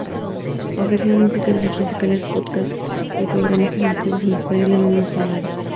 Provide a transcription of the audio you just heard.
Ofrecía música, videos musicales, podcasts y programas televisivos en español en una sola área.